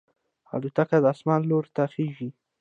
الوتکه د اسمان لور ته خېژي.